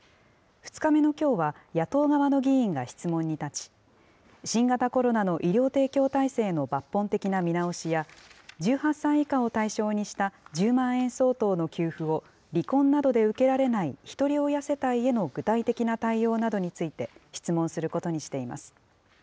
２日目のきょうは、野党側の議員が質問に立ち、新型コロナの医療提供体制の抜本的な見直しや、１８歳以下を対象にした１０万円相当の給付を離婚などで受けられないひとり親世帯への具体的な対応などについて質問することにしています。